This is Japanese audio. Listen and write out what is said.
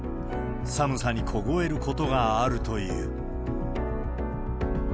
寒さに凍えることがあるという。